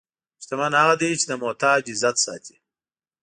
شتمن هغه دی چې د محتاج عزت ساتي.